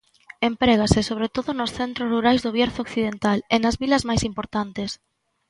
Emprégase "sobre todo nos centros rurais do Bierzo occidental e nas vilas máis importantes".